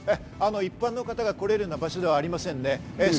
一般の方が来られるような場所ではないですね。